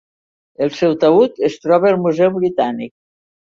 El seu taüt es troba al Museu Britànic.